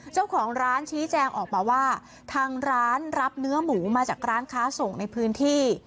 เจ้าของร้านชี้แจงออกมาว่าทางร้านรับเนื้อหมูมาจากร้านค้าส่งในพื้นที่